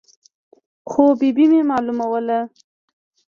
خو ببۍ مې معلوموله.